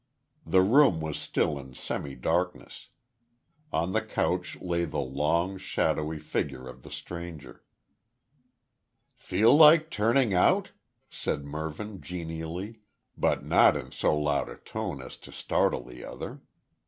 The room was still in semi darkness. On the couch lay the long, shadowy figure of the stranger. "Feel like turning out?" said Mervyn genially, but not in so loud a tone as to startle the other.